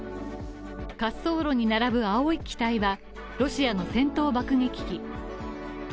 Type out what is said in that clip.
滑走路に並ぶ青い機体はロシアの戦闘爆撃機。